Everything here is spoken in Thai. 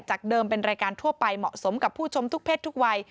เดิมเป็นรายการทั่วไปเหมาะสมกับผู้ชมทุกเพศทุกวัย